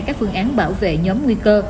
các phương án bảo vệ nhóm nguy cơ